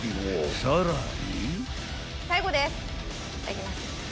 ［さらに］